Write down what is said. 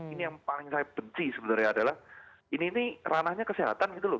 ini yang paling saya benci sebenarnya adalah ini ranahnya kesehatan gitu loh